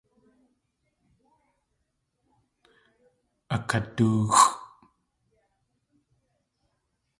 Akadóoxʼ.